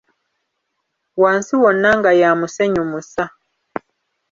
Wansi wonna nga ya musenyu musa.